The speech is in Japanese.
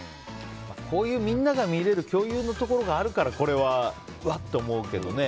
こういう、みんなが見れる共有のところがあるからこれは、うわって思うけどね。